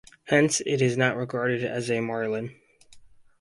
Hence it is not regarded as a Marilyn.